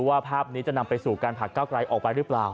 ว่าภาพนี้จะนำไปสู่การผลักเก้าไกลออกไปหรือเปล่า